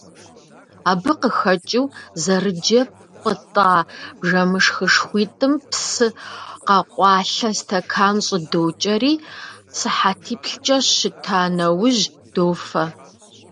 Абы къыхэкӏыу, зэрыджэ пӏытӏа бжэмышхышхуитӏым псы къэкъуалъэ стэкан щӏыдокӏэри, сыхьэтиплӏкӏэ щыта нэужь, дофэ.